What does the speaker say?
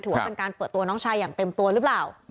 ถือว่าเป็นการเปิดตัวน้องชายอย่างเต็มตัวหรือเปล่า